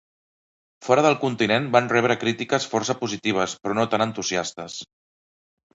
Fora del continent van rebre crítiques força positives però no tan entusiastes.